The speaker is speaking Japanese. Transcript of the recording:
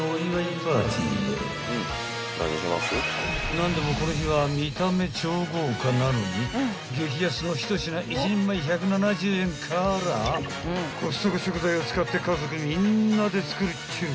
［何でもこの日は見た目超豪華なのに激安の１品１人前１７０円からコストコ食材を使って家族みんなで作るっちゅう］